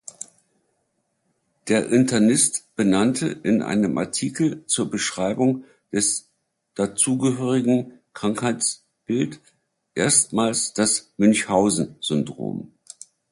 Der Internist benannte in einem Artikel zur Beschreibung des dazugehörigen Krankheitsbild erstmals das Münchhausen-Syndrom.